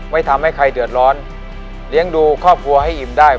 ไม่ทำให้ใครเดือดร้อนเลี้ยงดูครอบครัวให้อิ่มได้